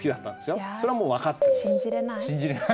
それはもう分かってるんです。